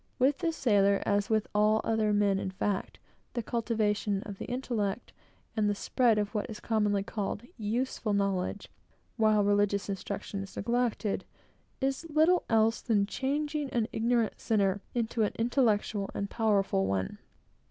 With the sailor, as with all other men in fact, the cultivation of the intellect, and the spread of what is commonly called useful knowledge, while religious instruction is neglected, is little else than changing an ignorant sinner into an intelligent and powerful one.